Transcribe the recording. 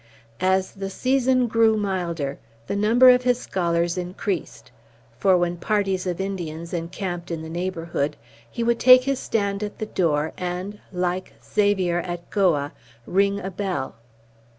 As the season grew milder, the number of his scholars increased; for, when parties of Indians encamped in the neighborhood, he would take his stand at the door, and, like Xavier at Goa, ring a bell.